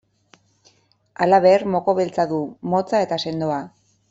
Halaber, moko beltza du, motza eta sendoa.